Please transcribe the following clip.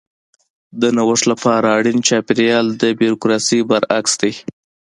د نوښت لپاره اړین چاپېریال د بیوروکراسي برعکس دی.